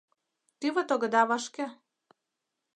Тӱвыт огыда вашке?»